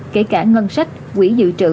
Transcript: kể cả ngân sách quỹ dự trữ